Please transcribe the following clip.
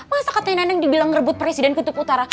masa katanya neneng dibilang ngerebut presiden kutub utara